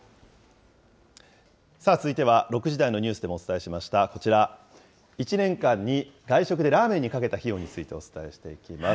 続いては、６時台のニュースでもお伝えしましたこちら、１年間に外食でラーメンにかけた費用についてお伝えしていきます。